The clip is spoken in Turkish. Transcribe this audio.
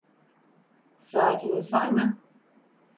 Saatiniz var mı?